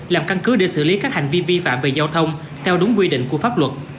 làm căn cứ để xử lý các hành vi vi phạm về giao thông theo đúng quy định của pháp luật